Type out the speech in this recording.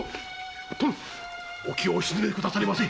殿お気をお静めくだされませ。